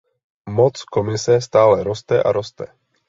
Moc Komise stále roste a roste.